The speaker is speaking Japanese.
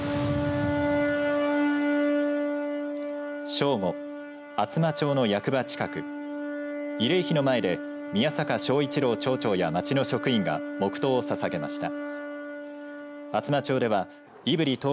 正午、厚真町の役場近く慰霊碑の前で宮坂尚市朗町長や町の職員が黙とうをささげました。